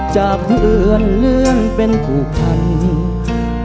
จากเหลือนเลือนเป็นผู้พันธ์